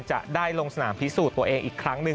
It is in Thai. จะได้ลงสนามพิสูจน์ตัวเองอีกครั้งหนึ่ง